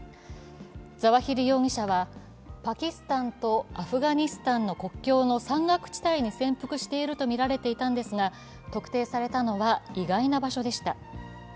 ザワヒリ容疑者はパキスタンとアフガニスタンの国境の山岳地帯に潜伏しているとみられていたのですが特定されたのは意外な場所でした。